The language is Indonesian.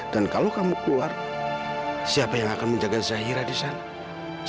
dan kalau kamu keluar siapa yang akan menjaga zahira di sana